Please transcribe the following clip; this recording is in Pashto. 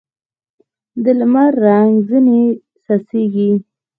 د لمر رنګ ځیني څڅېږي